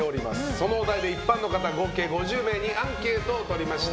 そのお題で一般の方合計５０名にアンケートを取りました。